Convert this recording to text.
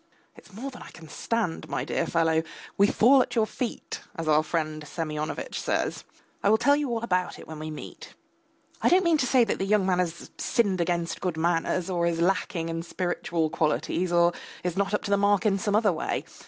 It's more than I can stand, my dear fellow! We fall at your feet, as our friend Semyonovitch says. I will tell you all about it when we meet. I don't mean to say that the young man has sinned against good manners, or is lacking in spiritual qualities, or is not up to the mark in some other way.